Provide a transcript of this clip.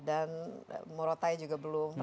dan morotai juga belum